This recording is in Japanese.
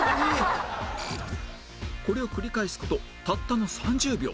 これを繰り返す事たったの３０秒